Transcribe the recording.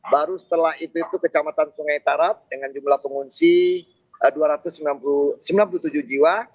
baru setelah itu itu kecamatan sungai tarap dengan jumlah pengungsi dua ratus sembilan puluh tujuh jiwa